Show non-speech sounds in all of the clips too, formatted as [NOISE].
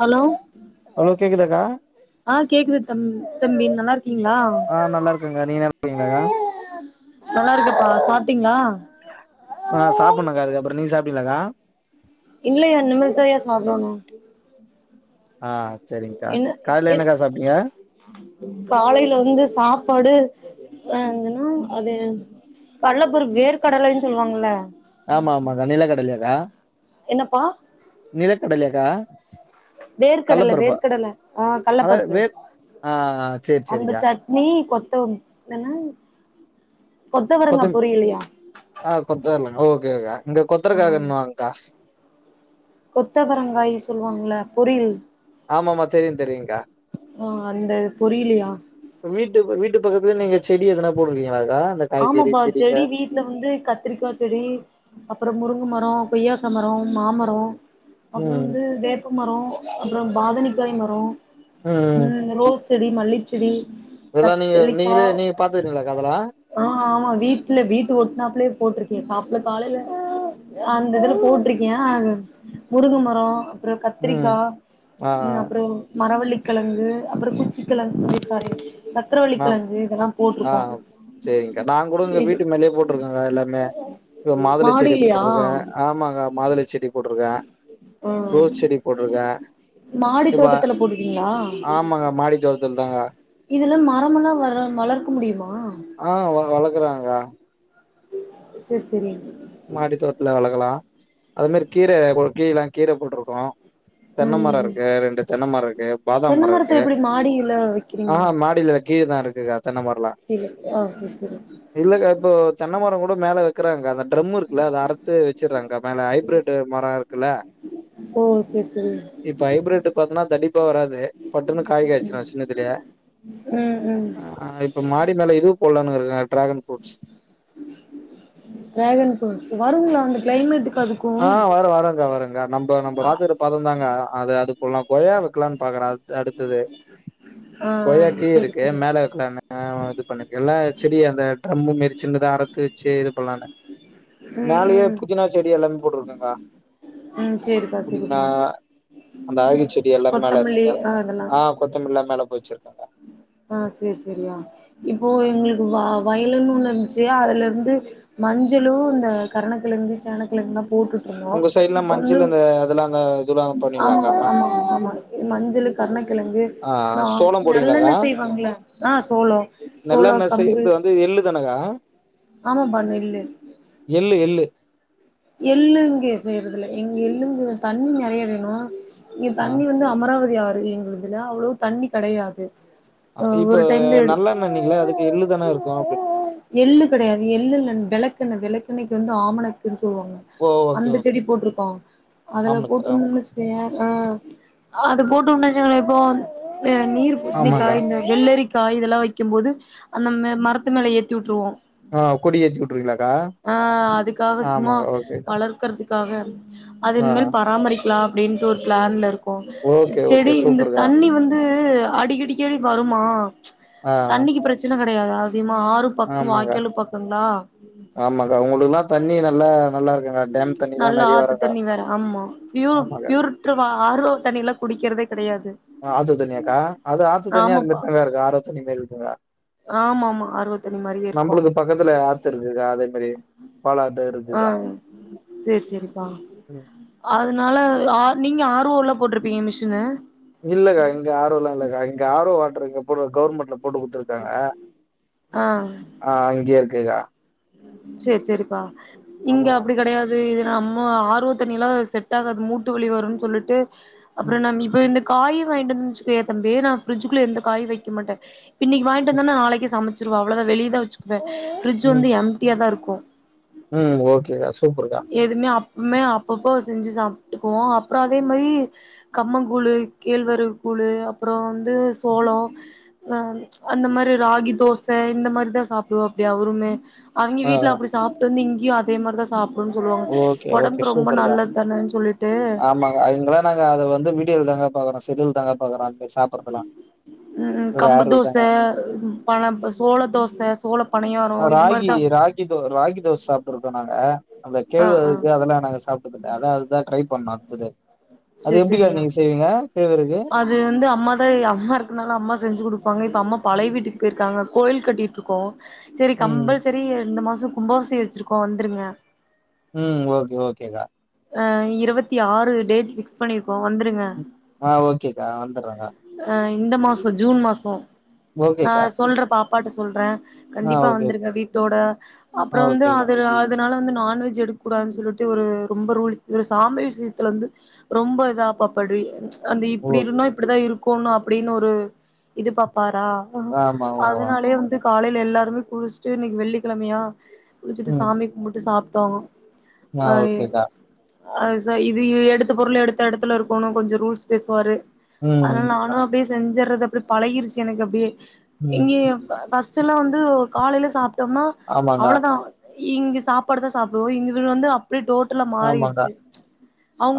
Hello hello கேக்குதாக்கா அ கேக்குது தம் தம்பி நல்லாருக் அ நல்லாருக்கங்க நீங்க நல்லாருக்கீங்ளாகா நல்லா இருக்கப்பா சாப்ட்டீங்களா சா சாப்புட்ணக்கா அதுக்கப்றோ நீங்க சாப் டிங்ளாகா இல்லையா இனிமேல்தாயா சாப்டோணோ அ செரிங்க்கா கால்ல என்னக்கா சாப்ட்டிங்க காலைல வந்து சாப்பாடு அ அதென்னோ அது கல்ல பருப்பு வேர் கடலன் சொல்வாங்ள ஆமா ஆமாக்கா நிலக்கடலியாக்கா என்னப்பா நிலக்கடலயாக்கா வேர்க்கடல வேர்க்கடல அ அதா கல்லப்பருப்பு வேர் ஆ சேரி அந்த சேரிக்கா சட்னி கொத்தம் தென்னம் கொத்தவரங்கா பொரியலுயா ஓகே கா இங்க கொத்தரக்காகனுவாங்கா கொத்தவரங்காய் சொல்லுவாங்ள பொரியில் ஆமாமா தெரியு தெரியுங்கா ஆ அந்த பொரியலையா இப்ப வீட் ட்டு வீட்டு பக்கத்துல நீங்க செடி எதனா போடுவீங்க ஆமாப்பா செடி வீட்ல வந்து கத்திரிக்கா செடி அப்றம் முருங் மரோ கொய்யாக்கா மரோ மாமரோ அப்றோ ம் வந்து வேப்பம் மரோ அப்றம் பாதனிக்காய் மரோ ம் ரோஸ் செடி மல்லிச் செடி இதெல்லா நீங்க நீங்களே நீங் பாத்துக்றீங்ளாக்கா அதெல்லா அ ஆமா வீட்ல வீட்டு ஒட்னாப்லே போட்ருக்கே ஆப்ல காலேல அந்த இதுல போட்ருக்கே முருங்க மரோ அப்றோ ம் கத்திரிக்கா ஆ ம் அப்புறோம் மரவள்ளிக்கெளங்கு அப்றோ குச்சிக்கெளங்கு சாரி சக்கரவள்ளிக்கெளங்கு இதெல்லா போட்ருக்கோம் சேரிங்க்கா நான் கூட இங்க வீட்டு மேலேயே போட்ருக்கங்கா எல்லாமே இப்ப மாதுள செடி மாடிலயா போட்ருக்கே ஆமாங்க மாதுளை செடி போட்ருக்கே ஆ ரோஸ் செடி போட்ருக்க மாடி இப்ப தோட்டத்துல போட்டுட்டீங்களா ஆமாங்க மாடி தோட்துல மரமல்லா வர வளர்க்க முடியுமா ஆ வ வளக்குறாங்க செர் செரி மாடி தோட்த்ல வளக்கலா அது மாரி கீர கீ ல்லா கீர போட்டுருக்கோ தென்ன மர ம் இருக்கு ரெண்டு தென்ன மர இருக்கு பாதாம் தென்ன மரொ மரத்த இருக்கு எப்டி மாடியில வைக்கிறீங்க ஆஹ மாடில கீ தான் இரு க்கா தென்னமர ல்லா கீழ ஆ செரி செரி இல்லக்கா இப்போ தென்னமரம் கூட மேல வெக்குறாங்க அந்த ட்ரம் இருக்குல்ல அத அறுத்து வச்சுறாங்கா மேல ஹைப்ரெட்டு மரொ இருக்குல்ல ஓ செரி செரி இப்ப ஹைப்ரட்டு பாத்ன்னா தடிப்பா வராது பட்டுன்னு காய் காச்சுரு சின்னதுலயே ம் ம் ஆ இப்ப மாடி மேல இது போட்லானுருக்க ட்ராகன் ஃப்ரூட்ஸ் டிராகன் ஃப்ரூட்ஸ் வருங்களா அந்த கிளைமேட்டுக்கு அதுக்கு ஆ வரு வருங்கா வருங்கா நம்ப நம்ப பாத்துக்ர பதந்தா அது அது போல் நா கொயா வெக்லான் பாக்குற அடுத்தது ஆ செரி கொயாக்கீஇருக்கு செரி மேல வக்லான்னு இது பண்ணு எல்லா செடி அந்த ட்ரம் மெரி சின்னதா அறுத்து வச்சு இது பண்லானு ம் மேலயே ம் புதினா செடி எல்லாமே போட்ருக்கங்கா ம் செரிப்பா புதினா செரிப்பா அந்த அருகி செடி எல்லாமெ மேல கொத்தமல்லி இருக்குக்கா ஆ அதெல்லா ஆ கொத்தமல்லா மேல போய்ச்சிருக்கங்கா ஆ செரி செரியா இப்போ எங்களுக்கு வ வயலுன்னு ஒன்னு இருன்ச்சு அதுல ருந்து மஞ்சளும் இந்த கரணக்கிழங்கி சேனக்கிழங்குல்லாம் போட்டுட்டு இருந்தோம் உங்க சைட்லா வந்து மஞ்சள் இந்த அதெல்லா அந்த இதுல்லா ஆமா பண்ணுவீங்களாக்கா மஞ் ஆமா ஆமா மஞ்சள் கருணக்கிழங்கு ஆ நான் சோளம் போடுவீங்களாக்கா நல்லென்ன செய்வாங்களன் ஆ சோளம் சோளம் கம்பு க ஆமாப்ப நெல்லு எள்ளு எள்ளு எள்ளுங்கே செய்யறதுல எங்க எள்ளுங்க தண்ணி நிறைய வேணும் இங்க ஆ தண்ணி வந்து அமராவதி ஆறு எங்க இதுல அவ்வளவு தண்ணி கடையாது இப்ப நல்லண்ண நீங்கள அதுக்கு எள்ளுதானே இருக்கும் அப்பட எள்ளு கிடையாது எள்ளு விளக்கண்ண விளக்கெண்ணக்கு வந்து ஆமணக்கு சொவாங்க ஓ ஓகே அந்த ஓகே செடி போட்ருக்கோம் அதுல ஆமனுக்கு ஆ போட்டிருந்தச்சுன் வச்சிக்கயே ஆ அது போட்டு உனச்சங்களன் இப்போ நீர் பூசணிக்கா ஆமாங்கா வெள்ளரி காய் இதெல்லாம் வைக்கும் போது அந்த மரத்து மேல ஏத்தி விட்ருவோம் ஆ கொடி எச்சுிடடுறீங்களாக்கா அ அதுக்காக சும்மா வளர்க்கிறதுக்காக ஆ அதன்மல் பராமரிக்க லா அப்படின்ட்டு ஒரு பிளான்ல இருக்கு ஓகே ஓகே செடி இந்த சூப்பர்க்கா தண்ணி வந்து அடிக்கடிக்கடி வருமா ஆ தண்ணிக்கு பிரச்சனை கிடையாது அதிகமா ஆறு பக்கம் வாய்க்காலு பக்கங்களா அவங்களுக்குெல்லாம் தண்ணி நல்லா நல்லா இரு நல்லா ஆத்து தண்ணி வேற ஆமா பூ ஆமாக்கா பியூரட ஆரவ் தண்ணில குடிக்கிறது ஆ ஆத்து தண்ணியாக்கா அது ஆத்து தண்ணியா அது மாரி ஆமாப்பா தான் இருக்கும் ஆரோ தண்ணி மாரி இருக்குங்கா ஆமா ஆமா ஆர் ஓ தண்ணி மாரியே இருக்கு நம்மளுக்கு பக்கத்துல ஆத்து இருக்குக்கா அதே மாரி பழ அ பே இருக்குக்கா சரி சரிப்பா ம். அத அதனால நீங்க ஆர் ஓ ல போட்ருப்பீங்க மிஷின்ு இல்லக்கா இங்க ஆர் ஓ லாம் இல்லக்கா இங்க ஆர்வோ வாட்டறக்குற கவுவர்மெண்ட்ல போட்டு கொத்துருக்காங்க ஆ ஆ இங்கேய இருக்குக்கா சரி சரிப்பா இங்க ஆமா அப்படி கடையாது நம்ம ஆர் ஓ தண்ணியல்லாம் செட் ஆகாது மூட்டு வழி வரும்னு சொல்லிட்டு அப்புறம் நம் இப்ப இருந்து காய் வாயிண்டுவந் சுக்கோ தம்பி நா பிரிட்ஜ் குள்ள எந்த காயு வைக்க மாட்ட பின்னைக்கு ம் வாய்ன்ட்டுவந்தான நாளைக்கு சம சுருவ அவ்வளோதா வெளியதா வச்சுக்குவ ஃப்ரிட்ஜ் வந்து எம்டியா தா இருக்கூ உம் ஓகேகா சு எதுமே அப் மே அப்பப்போ செஞ்சு சாப்ட்டுக்குவோ அப்ரோ அதே மாரி கம்மங்கூழு கேழ்வருகு கூழு குழு அப்ரோ வந்து சோலோ நா அந்தமாரி ராகி தோச இந்த மாரிதா சா சாப்புடுவாப்படி அவருமே அவிங்க ஆ வீட்டுல அப்படி சாப்புட்டு வந்து இங்கியு அதேமாரிதா சாப் ஓகே ஓகே சூப்பருகா தானன்னு சொல்லிட்டு ஆமாங்க அங்கள நாங்க அத வந்து வி கிரந்தாங்க பாக்ரோ செதில் தாங்க பாரோ சா உம் கம்பு தோச தாங்க. பண ப சோள தோச சோள பணியாரோ இது ராகி மாரிதா ராகி தோ ராகி தோச சாப்ட்டுருக்கோ நாங்க அந்த ஆ ஆ கேழ்வரகு அதெல்லா நாங்க சாப்ட் அத அதுதா ட்ரை பண்ணு அடுத்தது அது சேரி எப்படிகா சேரியா நீங்க செய்வீங்க கேழ்வரகு? அது வந்து அம்மா தா அம்மா இருக்கனால அம்மா செஞ்சு கொடுப்பாங்க அம்மா பழைய வீட்டுக்கு போயிருக்காங்க கோயில் கட்டிட்டுருக்கோ செரி ம், கம்பல்சரி இந்த மாசம் கும்போசை வச்சிருக்கோ வந்துருங்க உம் ஓகே ஓகேக்கா ஆ இருவத்தி ஆறு டேட் ஃபிக்ஸ் பண்ணியிருக் போ வந்துருங்க ம். ஆ ஓகேக்கா வந்துர்றேன்க்கா. அ இந்த மாசோ ஜூன் மாசோ நா ஓகேக்கா. சொல்ற பாப்பாட்டு சொல்ற ஆ கண்டிப்பா ஓகே, வந்துருங்க வீட்டோட ஆ அப்ரோ வந்து ஓகேக்கா. அது அ னால வந்து நான்வெஜ் எடுக்க கூடதுனு சொல்லிட்டு ஒரு ரொம்ப ரூல் இதுல சாமி விஷயத்துலந்து ரொம்ப இதா பாப்படு அந்த ஓ இப்படி இருந்தா இப்படிதா இருக்கோனு அப்படின்னு ஒரு இது பாப்பாரு ரா ஆமா. ஆமா. அதனாலயே வந்து காலையில எல்லாருமே குளிச்சுட்டு இன்னைக்கு வெள்ளிக்கழமையா குளிச்சிட்டு ம். சாமி கும்புட்டு சாப்டோ ஆ ஓகேகா அ ச இது எடுத்த பொருள் எடுத்த எடத்துல இருக்கணு கொஞ்சோ ரூல்ஸ் பேசுவாரு அனால ம். ஆ. நானும் அப்படியே செஞ்சர்றது அப்படி பழகிருச்சு எனக்கு அப்படியே ம். இங்க ப பஸ் சுலா வந்து காலையில சாப்ட்டோம்னா ஆமாங்க. அவ்ளோதா இங்க சாப்பாடு தா சாப்டுவோ இங்க இதுல வந்து அப்படியே டோ ஆமாங்க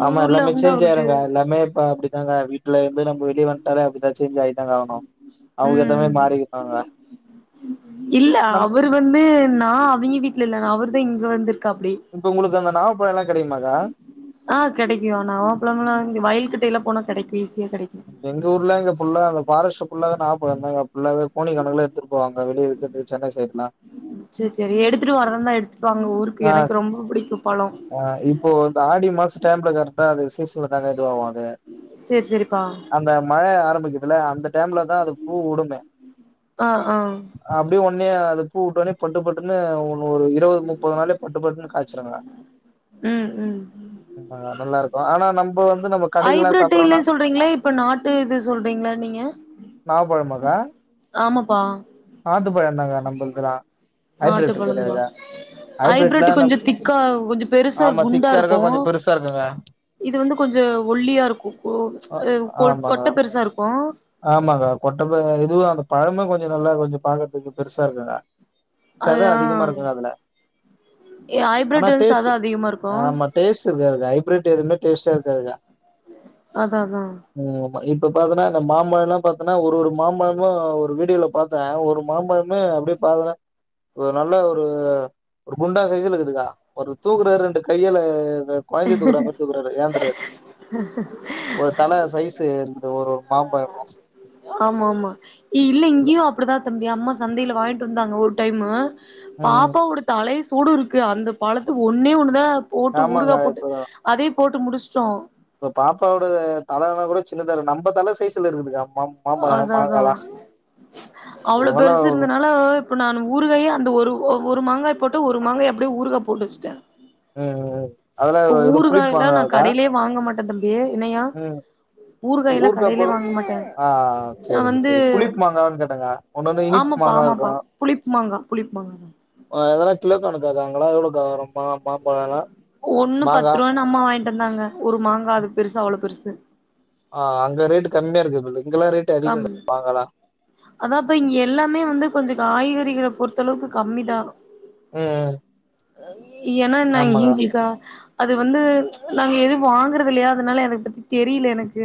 ஆமா ஊர்ல எல்லாமே வந்து சேஞ்ச் அவருட்டு ஆயிருங்க எல்லாமே இப்ப அப்படிதாங்க வீட்டுல ந்து நம்ப வீட்லயே வன்டாவே அப்படிதா செஞ்சு ஆயிட்டாங்க ஆனும் அவங்க ஏத்தவுமே ம் மாறிந்தாங்க இல்ல அவரு வந்து நா அவிங்க வீட்டுல இல்ல அவர்தா இங்க வந்துரு இப்ப உங்களுக்கு அந்த நா ஆ கிடைக்கு நவா பளம்ளா இங்க வயல்கிட்டையல்லா போனா கிடைக்கு எங்க ஊர்ல இங்க ஃபுல்லா அந்த ஃபாரெஸ்ட் ஃபுல்லாதா நாவபழம் தான் கோனி கணக்கல்ல எடுத்துப்போவாங்க வெளிய விக்கறக்கு சென்னை சைடலா செர் செரி எடுத்துட்டு வரந்தா எடுத்துட்டு பாங்க ஊருக்கு ஆ எனக்கு ரொம்ப புடிக்கும் பழம் ஆ இப்போ இந்த ஆடி மாச டைம்ல கரெக்டா [UNINTELLIGIBLE] சேரி சேரிப்பா அந்த மழ ஆரம்பிக்க துல அந்த டைம்ல தா அது பூ உடுமே ஆ ஆ ஒனே அது பூ உட்டோனே பட்டு பட்டுன்னு ஒ ஒரு இருபது முப் சிருங்க உம் உம் நல்லா இருக்கு ஆனா நம்ப வந்து நம்ம கடைலல்லா சாப்பட்றோன்னா ஐபரடில சொல்றீங்களா இப்ப நாட்டு இது சொல்றீங்களா நீங்க நாவ் பழமா ஆமாப்பா நாட்டு பழம்ந்தாங்க நம்பல்தெல்லா ஹைபிரட் கிடையதுக்கா ஹைபிரிட்டு கொஞ்சோ திக்கா கொஞ்சோ பெருசார் ஆமா குண்டா திக்கா இருக்கோ இருக்கு கொஞ்சோ பெருசா இருக்குங்க இது வந்து கொஞ்சா ஒல்லியாருக்கு கொ ச்ச ஆ ஒர் கொட்ட பெருசாருக்கோ ஆமாகா கொட்டப்ப இதுவு அந்த பழமு கொஞ்சோ நல்லா கொஞ்சோ பாக்கற்துக்கு பெருசா இருக்குங்கா அது சத ஆ அதிகமா இருக்குங்கா அதுல ஆனா ஐப்ரோட் வந்து சத டேஸ்ட்டு அதிகமா இருக்கு ஆமா டேஸ்ட்டு இருக்காதுகா ஹைபிரிட் எதுமே டேஸ்ட்டா இரு காதுகா அதா அதா வ இப்ப பாத்தனா ந்த மாம்பழலா பாத்தனா ஒரு ஒரு மாம்பழமோ ஒரு வீடியோல பாத்தே ஒரு மாம்பழமே அப்டே பாத்தனா ஒர் நல்லா ஒரு ஒரு குண்டா சைசுலக்குதுக்கா ஒரு தூக்குற ரெண்டு கையல த கொயிந்தைய தூக்குற மாரி தூக்குனுவராரு ஏந்தெரா ஒரு தல சைஸ்சு இருக்து ஒரு ஒரு பாப்போ எப்போ ஆமா ஆமா இல்ல இங்கியு அப்பிடிதா தம்பி அம்மா சந்தைல வாங்கிட் வந்தாங்க ஒரு டைம்மு ம் பாப்பாவோட தலை சூடு இருக்கு அந்த பழத்த ஒன்னே ஒன்னுதா போட்டு ஊருகா ஆமாக்கா போட்டு அதேயு போட்டு முடிச்சுட்டோ ப்ப பாப்பாவோடது தலனா கூட சின்னதா இருக்கு நம்ப தல சைஸ்ல இருக்குதுக்கா மா மாம்பழம் அதா அதா மாங்காலா அவ்ளோ நல்லா பெருசிருந்தனால ஓயிப் இப்ப நானு ஊருகாயே அந்த ஒரு ஒ ஒரு மாங்காய் போட்டு ஒரு மாங்காய் அப்டே ஊருகா போட்டு வெச்சுட்டே ஆ அதுல எ எதோ புளிப்மாங்காவுதா ஏ என்னையா ஊறுகாயெல்லா ஊருக்கா கடையிலே பழ வாங்க மாட்டே ஆ நா சரிங்க வந்து சரி புளிப்பு மாங்கான்னு கேட்டேங்க ஒன்னொன்னு இனிப்பு ஆமா ப்பா மாங்காவா ஆமாபா புளிப்மாங்கா புளிப்மாங்காநா ஆ அதலா கிலோ கணக்காக்கா அங்களா எவ்ளோகா வரோமாம் ஒன்னு பத்துரூவானு அம்மா வாங்கிட்டு வந்தாங்க ஒரு மாங்கா அது பெருசா அவ்ளோ பெருசு ஆ அங்க ரேட்டு கம்மியா இருக்குது போல்துகு கம் அதாப்பா இங்யே எல்லாமே வந்து கொஞ்சோ காய்கறிகிற பொருத்தளவுக்கு கம்மிதா ம் ஆ எனா நாங் எங்குளுக்கா அது வந்து ச்ச நாங்க எதும் வாங்கறதில்லையா அதுனால அத பத்தி தெரில எனக்கு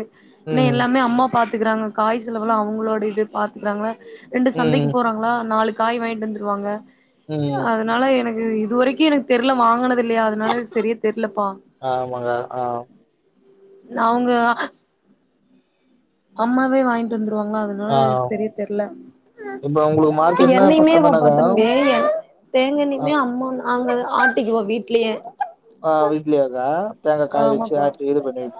னே ம். எல்லாமே அம்மா பாத்துக்கிறாங்க காய் செலவுலா அவுங்குளோடயது பாத்துக்றாங்ளே ரெண்டு சந்தைக்கு ம். போறாங்களா நாலு காய் வாங்கிட்டு வந்துருவாங்க ம். அதனால எனக்கு ஆ இது வரைக்கி எனக்கு தெர்ல வாங்கனது தில்லியா அதுனால செரியா தெர்லப்பா ஆமாங்க. ஆ. அவுங்க அ ஆ அம்மாவே வாங்கிட் வந்துருவாங்களா ஆ. அதுனால செரியா தெர்ல இப்ப உங்களுக்கு மார்க்கெட்னா எண்ணெயுமே பக்கம் வா தானக்கா? பாத் தம்பே எண் தேங்கா அ எண்ணெயுமே அம்மாதா அங்க வெ ஆட்டிக்குவோ வீட்லயே கா வீட்லவே கா ஆமாபா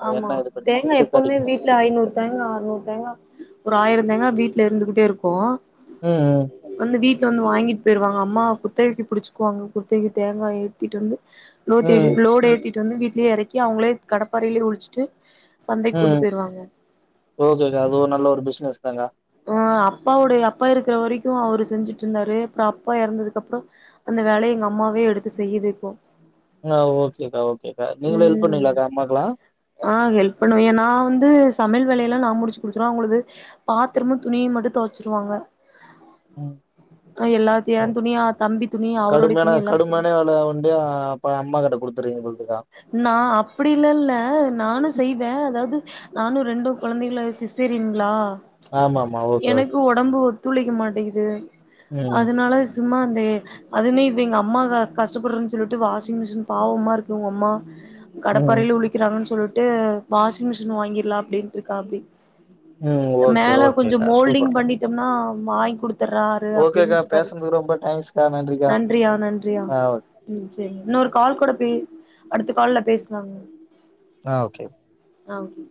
ஆமா இது பண்ணி தேங்கா செக் எப்போமே அடிக்கணும். வீட்ல ஐநூறு தேங்கா அறுநூறு தேங்கா ஒரு ஆயிரந் தேங்கா வீட்ல இருந்துகிட்டே இருக்கோ ம். அந்து வீட் ல வந்து வாங்கிட் போயிருவாங்க அம்மா குத்தகைக்கு புடிச்சிக்குவாங்க குர்த்தகிக்கு தேங்கா எடுத்திட் வந்து ம். லோத்தேழு ம். லோட் ஏத்திட் வந்து வீட்லயே இறக்கி அவுங்ளேத் கடப்பாறையிலயே உழ்ச்சிட்டு ம் ஓகேகா அதுவு நல்ல ஒரு பிசினஸ் தாங்கா ஆ அப்பாவோடைய அப்பா இருக்கிற வரைக்கு அவுரு செஞ்சுட்டு இருந்தாரு அப்றோ அப்பா எறந்ததுக் கப்றோ அந் த வேலைய எங்கம்மாவே எடுத்து செய்யிது இப்போ ஆ ஓகேகா ஓகேகா நீங்களு ஹெல்ப் ம் பண்ணுவீங்ளாகா அம்மாக்லா ஆ ஹெல்ப் பண்ணுவே ஏ நா வந்து சமையல் வேலை ல்ல நா முடிச்சு குடுத்துருவே அவுங்களது பாத்திரமு துணியு மட்டு தோச்சுருவாங்க ம் எ துணி தம்பி துணி அவருடைய கடுமையான துணி எல்லா துணி கடுமையான வேல ஒண்டி அப்ப அம்மா கிட்ட கொடுத்து [UNINTELLIGIBLE] நான் அப்படி இல்லல்ல நானும் செய்வேன் அதாவது நானும் ரெண்டும் குழந்தைகள சிசேரிங்களா ஆமாமா. Okay, okay. எனக்கு உடம்பு ஒத்துழைக்க மாட்டேங்குது ம். அதனால சும்மா அந்த அதுவுமே இப்ப [UNINTELLIGIBLE] எங்க அம்மா கஷ்டப்படுறன்னு சொல்லிட்டு வாஷிங் மிஷின் பாவமா இருக்கு உங்க அம்மா ம். கடப்பறையில உழிக்கிறாங்கன்னு சொல்லிட்டு வாஷிங் மிஷின் வாங்கிடலாம் அப்படின்னுட்டு இருக்கா அப்டி ம் ஓ மேல கொஞ்சம் மோல்டிங் பண்ணிட்டோம்னா வாங்க் குடுத்துடுறாரு ஓகேக்கா அப்படின்னு இருக்காரு பேசுனதுக்கு ரொம்ப தேங்க்ஸ்க்கா நன்றிக்கா நன்றியா நன்றியா ஆ ஓகே ம் சரி இன்னொரு கால் கூட போயி அடுத்த கால்ல பேசுலாங்க ஆ ஓகே ஆ ஓகே